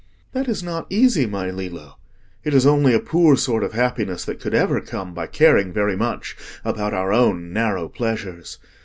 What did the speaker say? "That is not easy, my Lillo. It is only a poor sort of happiness that could ever come by caring very much about our own narrow pleasures.